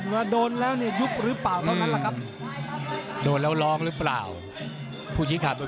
รู้ครับ